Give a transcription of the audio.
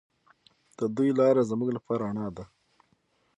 د دوی لاره زموږ لپاره رڼا ده.